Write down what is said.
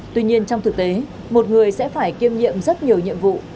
tuy nhiên trong thực tế một người sẽ phải kiêm nhiệm rất nhiều nhiệm vụ